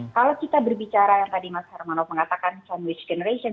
kalau kita berbicara yang tadi mas hermano mengatakan sandwich generation